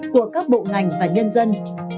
của các bộ ngành và nhân dân